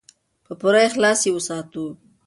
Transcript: په پوره اخلاص یې وساتو.